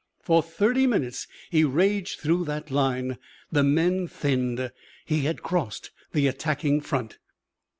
For thirty minutes he raged through that line. The men thinned. He had crossed the attacking front.